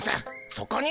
そこに。